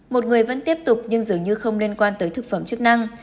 một người vẫn tiếp tục nhưng dường như không liên quan tới thực phẩm chức năng